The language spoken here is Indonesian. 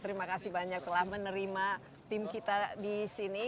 terima kasih banyak telah menerima tim kita disini